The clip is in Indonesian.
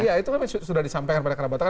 iya itu kan sudah disampaikan pada kera batangan